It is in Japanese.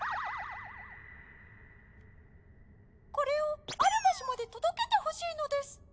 これをある場所まで届けてほしいのです。